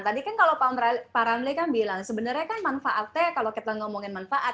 tadi kan kalau pak ramli kan bilang sebenarnya kan manfaatnya kalau kita ngomongin manfaat